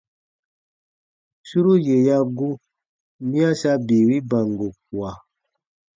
Suru yè ya gu, miya sa bii wi bango kua.